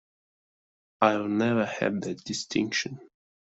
I've never had that distinction.